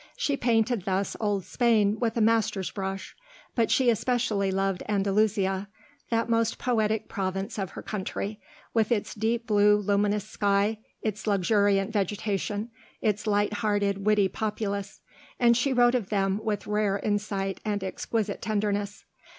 She painted thus Old Spain with a master's brush. But she especially loved Andalusia, that most poetic province of her country, with its deep blue luminous sky, its luxuriant vegetation, its light hearted, witty populace, and she wrote of them with rare insight and exquisite tenderness.